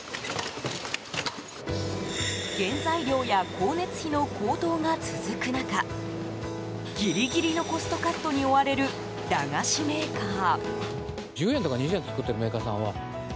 原材料や光熱費の高騰が続く中ギリギリのコストカットに追われる駄菓子メーカー。